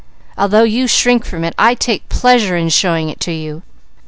Although you shrink from it, I take pleasure in showing it to you.